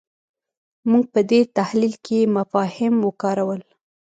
موږ په دې تحلیل کې مفاهیم وکارول.